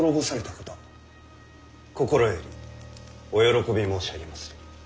心よりお喜び申し上げまする。